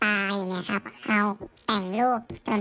ถามว่ากลัวคนเห็นไหม